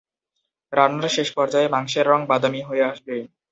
রান্নার শেষ পর্যায়ে মাংসের রং বাদামী হয়ে আসবে।